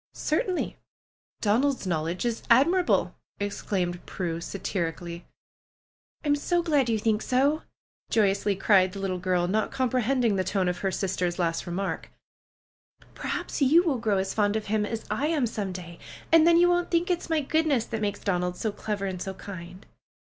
"Certainly, Donald's knowledge is admirable!" ex claimed Prue satirically. "I'm so glad you think so!" joyously cried the little girl, not comprehending the tone of her sister's last remark. "Perhaps you will grow as fond of him as I am some day, and then you won't think it's my good ness that makes Donald so clever and so kind."